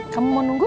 kamu mau nunggu